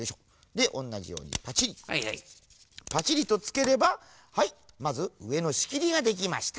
でおんなじようにパチリパチリとつければはいまずうえのしきりができました。